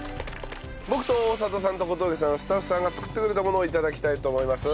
僕と大里さんと小峠さんはスタッフさんが作ってくれたものを頂きたいと思います。